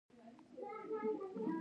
هغې دواړه پر غځېدلې اسره واچول.